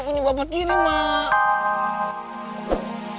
punya bapak tiri mak